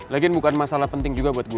lagian bukan masalah penting juga buat gue